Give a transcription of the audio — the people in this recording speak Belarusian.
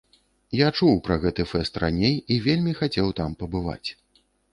Я чуў пра гэты фэст раней і вельмі хацеў там пабываць.